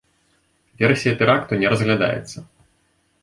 Версія тэракту не разглядаецца.